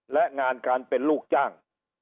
และงานการเป็นลูกจ้าง